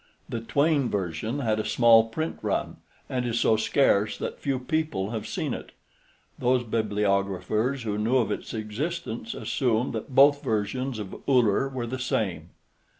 The Twayne version had a small print run and is so scarce that few people have seen it. Those bibliographers who knew of its existence assumed that both versions of Uller were the same.